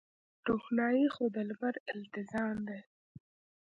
روښنايي خو د لمر التزام دی.